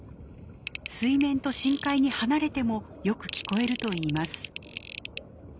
水面と深海に離れてもよく聞こえるといいます。